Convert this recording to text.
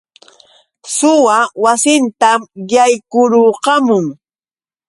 Suwa wasiitan yaykurqamun.